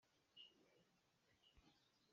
Tu kum cu kan i ningcang ngai.